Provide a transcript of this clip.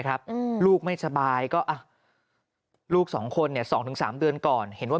ครับลูกไม่สบายก็ลูกสองคนเนี่ย๒๓เดือนก่อนเห็นว่า